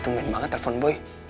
tungguin banget telfon boy